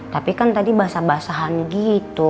tapi kan tadi basah basahan gitu